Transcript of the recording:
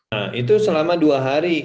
nah itu selama dua hari